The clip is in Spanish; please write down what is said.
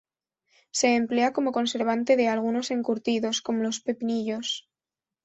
Se emplea como conservante de algunos encurtidos, como los pepinillos.